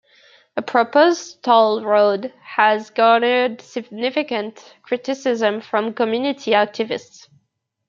A proposed toll road has garnered significant criticism from community activists.